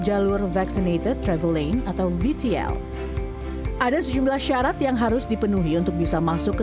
jalur vaccinated traveling atau vtl ada sejumlah syarat yang harus dipenuhi untuk bisa masuk ke